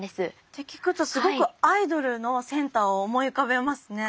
って聞くとすごくアイドルのセンターを思い浮かべますね。